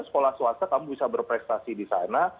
sekolah swasta kamu bisa berprestasi di sana